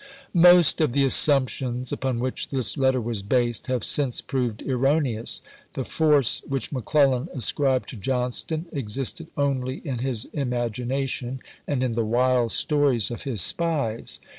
Most of the assumptions upon which this letter was based have since proved erroneous. The force which McClellan ascribed to Johnston existed only in his imagination and in the wild stories of his spies.